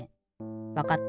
わかった。